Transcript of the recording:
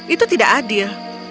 itu tidak adil